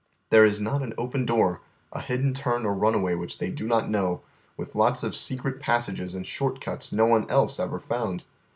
There is not an open dooi', a hidden turn or runway which they do not know, with lots of secret pas sages and short cuts no one else ever fonnd.